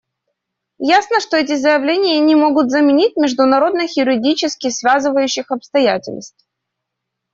Ясно, что эти заявления не могут заменить международных юридически связывающих обязательств.